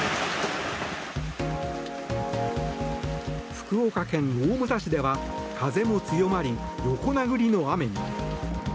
福岡県の大牟田市では風も強まり、横殴りの雨に。